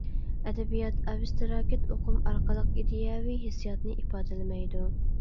ئەدەبىيات ئابستراكت ئۇقۇم ئارقىلىق ئىدىيەۋى ھېسسىياتنى ئىپادىلىمەيدۇ.